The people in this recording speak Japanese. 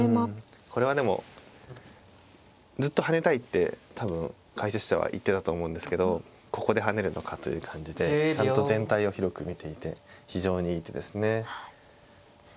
これはでもずっと跳ねたいって多分解説者は言ってたと思うんですけどここで跳ねるのかという感じでちゃんと全体を広く見ていて非常にいい手ですね。